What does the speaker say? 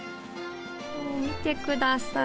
もう見てください！